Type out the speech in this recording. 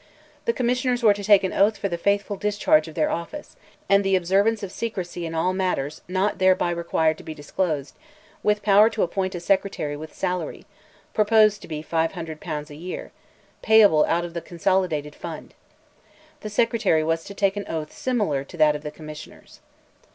The Commissioners were to take an oath for the faithful discharge of their office, and the observance of secrecy in all matters not thereby required to be disclosed, with power to appoint a Secretary with salary (proposed to be five hundred pounds a year), payable out of the consolidated fund. The Secretary was to take an oath similar to that of the Commissioners.